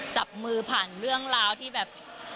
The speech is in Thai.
จับมือผ่านเรื่องราวที่แบบ